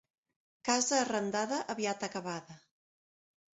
Casa arrendada, aviat acabada.